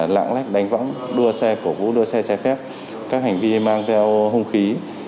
lặng lách đánh võng đua xe cổ vũ đua xe xe phép các hành vi mang theo hùng khí